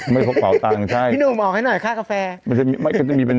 แล้วก็ตอนนี้มัดหัวใจย